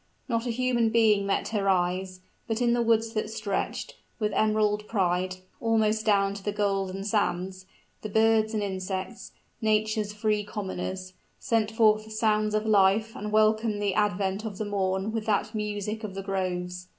Not a human being met her eyes; but in the woods that stretched, with emerald pride, almost down to the golden sands, the birds and insects nature's free commoners sent forth the sounds of life and welcomed the advent of the morn with that music of the groves.